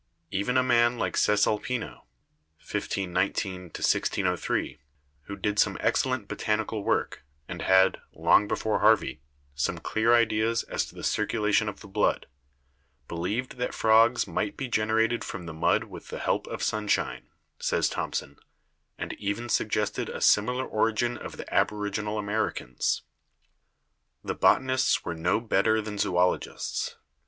Even a man like Cesalpino (1519 1603), who did some excellent botanical work, and had, long before Harvey, some clear ideas as to the circulation of the blood, "be lieved that frogs might be generated from the mud with the help of sunshine/' says Thompson, "and even suggested a similar origin of the aboriginal Americans. The botan ists were no better than the zoologists.